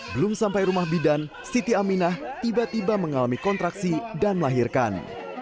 belum sampai rumah bidan siti aminah tiba tiba mengalami kontraksi dan melahirkan